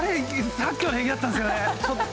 さっきまで平気だったんですけどね。